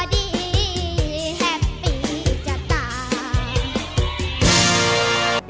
ได้ได้ได้